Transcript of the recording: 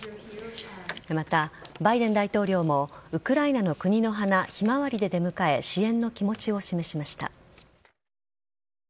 また、バイデン大統領もウクライナの国の花ヒマワリで出迎え支援の気持ちを示しました。